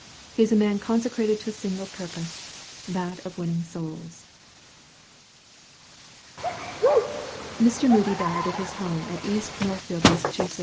He is a man consecrated to a single purpose, that of winning souls. Mr. Moody died at his home at East Northfield, Mass.